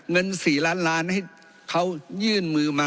เงิน๔ล้านล้านให้เขายื่นมือมา